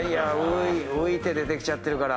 浮いて出てきちゃってるから。